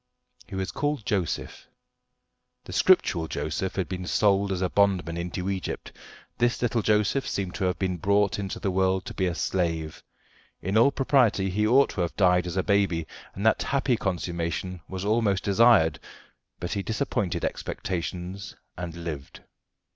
He was called Joseph. The scriptural Joseph had been sold as a bondman into Egypt; this little Joseph seemed to have been brought into the world to be a slave. In all propriety he ought to have died as a baby, and that happy consummation was almost desired, but he disappointed expectations and lived.